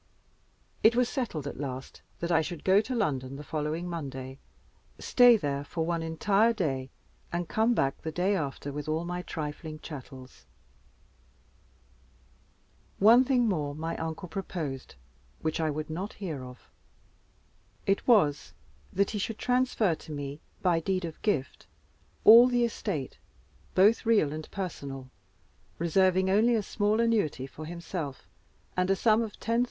It was settled at last that I should go to London the following Monday, stay there one entire day, and come back the day after with all my trifling chattels. One thing more my uncle proposed which I would not hear of. It was, that he should transfer to me, by deed of gift, all the estate, both real and personal, reserving only a small annuity for himself, and a sum of 10,000*l.